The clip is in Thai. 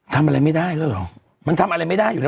ทำอะไรไม่ได้แล้วเหรอมันทำอะไรไม่ได้อยู่แล้ว